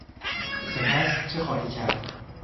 سپس چه خواهی کرد؟